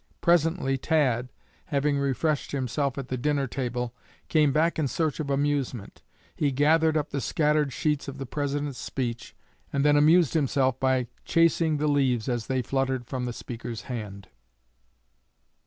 Presently Tad, having refreshed himself at the dinner table, came back in search of amusement. He gathered up the scattered sheets of the President's speech, and then amused himself by chasing the leaves as they fluttered from the speaker's hand.